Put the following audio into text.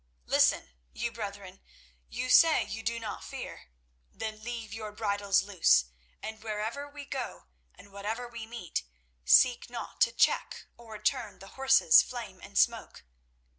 Listen, you brethren; you say you do not fear; then leave your bridles loose, and where'er we go and whate'er we meet seek not to check or turn the horses Flame and Smoke.